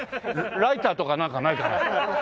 ライターとかなんかないかな？